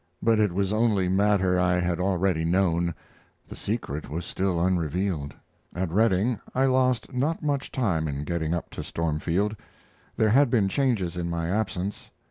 But it was only matter I had already known; the secret was still unrevealed. At Redding I lost not much time in getting up to Stormfield. There had been changes in my absence.